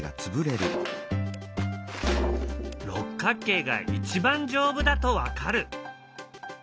六角形が一番丈夫だと分かる。